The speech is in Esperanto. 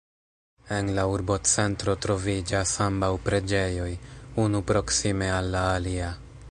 En la urbocentro troviĝas ambaŭ preĝejoj, unu proksime al la alia.